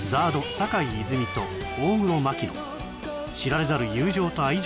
坂井泉水と大黒摩季の知られざる友情と愛情の物語を